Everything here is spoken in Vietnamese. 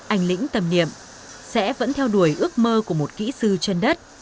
anh lĩnh tầm niệm sẽ vẫn theo đuổi ước mơ của một kỹ sư chân đất